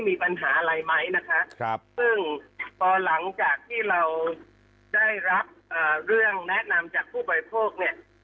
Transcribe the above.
มีปัญหาอะไรไหมนะคะครับซึ่งพอหลังจากที่เราได้รับเรื่องแนะนำจากผู้บริโภคเนี่ย